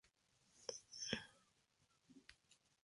Von Strucker y Geist planeaban derrocar al Rey Eduardo de Inglaterra.